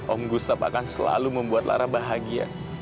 om gustop akan selalu membuat lara bahagia